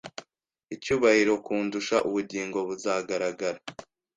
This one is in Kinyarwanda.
Icyubahiro kundusha ubugingo buzagaragara